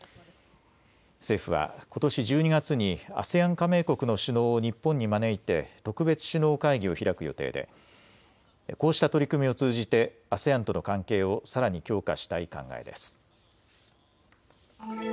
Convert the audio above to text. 政府はことし１２月にＡＳＥＡＮ加盟国の首脳を日本に招いて特別首脳会議を開く予定でこうした取り組みを通じてＡＳＥＡＮとの関係をさらに強化したい考えです。